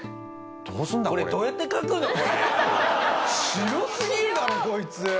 白すぎるだろこいつ！